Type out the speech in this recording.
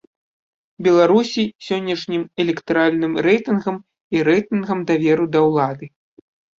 Беларусі сённяшнім электаральным рэйтынгам і рэйтынгам даверу да ўлады.